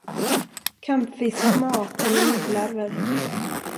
Kampfiskmat eller mygglarver.